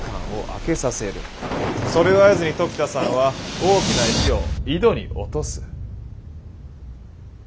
それを合図に時田さんは大きな石を井戸に落とす。